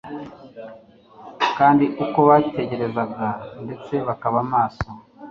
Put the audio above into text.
kandi uko bategerezaga ndetse bakaba maso